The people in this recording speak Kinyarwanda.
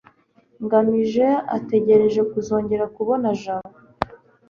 ngamije ategereje kuzongera kubona jabo